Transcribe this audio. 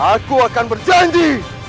aku akan berjanji